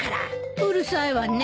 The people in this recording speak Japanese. うるさいわね。